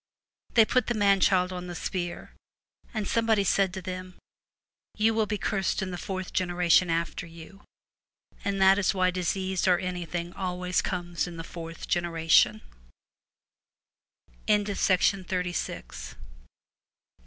They put the man child on the spear, and some body said to them, "You will be cursed in the fourth generation after you," and that is why disease or anything always comes in the fourth genera